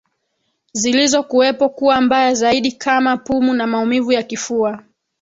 zilizokuwepo kuwa mbaya zaidi kama pumu na maumivu ya kifua